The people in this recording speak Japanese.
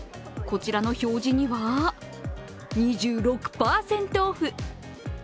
こちらの表示には、２６％オフ。